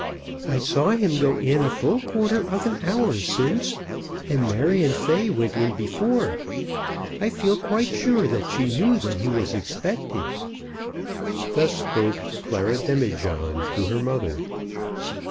"I saw him go in a full quarter of an hour since, and Marion Fay went in before. I feel quite sure that she knew that he was expected." Thus spoke Clara Demijohn to her mother.